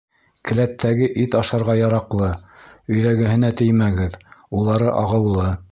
Келәттәге ит ашарға яраҡлы, өйҙәгеһенә теймәгеҙ, улары ағыулы.